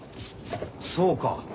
そうか。